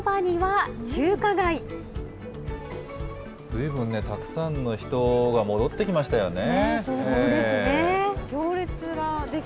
ずいぶんね、たくさんの人が戻ってきましたよね。